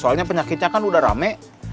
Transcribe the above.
soalnya penyakitnya kan udah rame